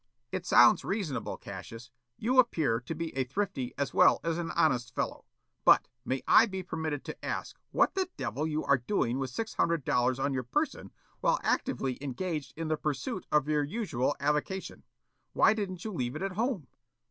"It sounds reasonable, Cassius. You appear to be a thrifty as well as an honest fellow. But, may I be permitted to ask what the devil you are doing with six hundred dollars on your person while actively engaged in the pursuit of your usual avocation? Why didn't you leave it at home?"